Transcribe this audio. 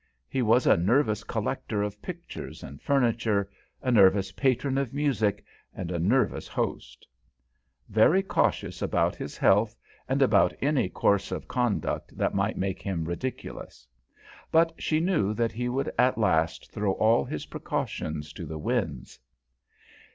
He was a nervous collector of pictures and furniture, a nervous patron of music, and a nervous host; very cautious about his health, and about any course of conduct that might make him ridiculous. But she knew that he would at last throw all his precautions to the winds.